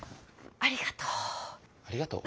ありがとう！